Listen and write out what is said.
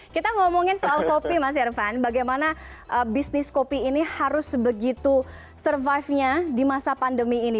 kita ngomongin soal kopi mas irvan bagaimana bisnis kopi ini harus begitu survive nya di masa pandemi ini